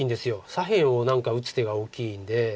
左辺を何か打つ手が大きいんで。